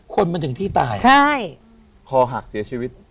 คนมันถึงที่ตายคอหักเสียชีวิต